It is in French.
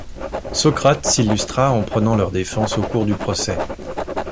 Socrate s'illustra en prenant leur défense au cours du procès.